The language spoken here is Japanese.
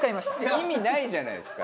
意味ないじゃないですか。